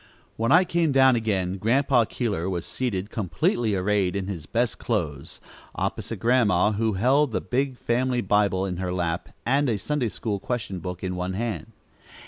When I came down again, Grandpa Keeler was seated, completely arrayed in his best clothes, opposite Grandma, who held the big family Bible in her lap, and a Sunday school question book in one hand.